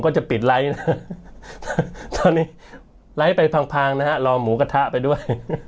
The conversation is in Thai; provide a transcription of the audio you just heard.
จะปิดไลค์นะตอนนี้ไลค์ไปพังนะฮะรอหมูกระทะไปด้วย